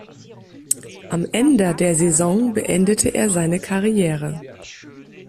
Am Ender der Saison beendete er seine Karriere.